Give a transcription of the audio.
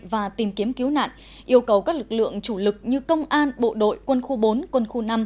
và tìm kiếm cứu nạn yêu cầu các lực lượng chủ lực như công an bộ đội quân khu bốn quân khu năm